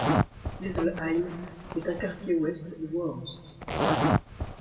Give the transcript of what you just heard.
Leiselheim est un quartier Ouest de Worms.